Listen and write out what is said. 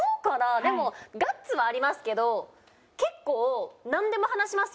でもガッツはありますけど結構なんでも話しますよ